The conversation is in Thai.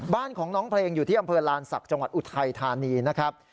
บ้านของน้องเพลงอยู่ที่อำเภอลานศักดิ์จังหวัดอุทัยธานีนะครับ